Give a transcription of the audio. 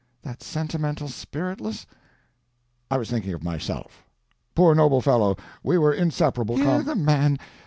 —that sentimental, spiritless—" "I was thinking of myself! Poor noble fellow, we were inseparable com—" "Hear the man!